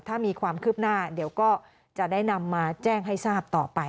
ถ้ามีความคืบหน้าเดี๋ยวก็จะได้นำมาแจ้งให้ทราบต่อไป